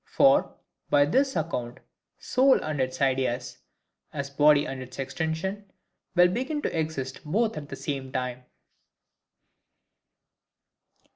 For, by this account, soul and its ideas, as body and its extension, will begin to exist both at the same time.